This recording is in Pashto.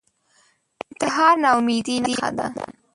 انتحار ناامیدۍ نښه ده